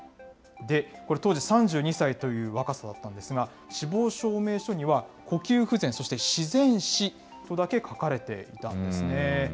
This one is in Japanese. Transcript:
これ、当時３２歳という若さだったんですが、死亡証明書には呼吸不全、そして自然死とだけ書かれていたんですね。